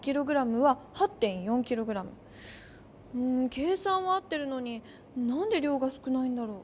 計算は合ってるのになんで量が少ないんだろう？